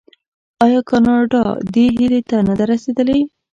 آیا او کاناډا دې هیلې ته نه ده رسیدلې؟